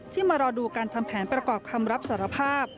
มารอดูการทำแผนประกอบคำรับสารภาพ